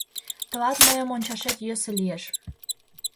Тылат мыйым ончашет йӧсӧ лиеш.